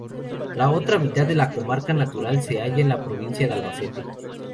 La otra mitad de la comarca natural se halla en la provincia de Albacete.